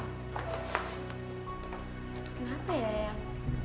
kenapa ya yang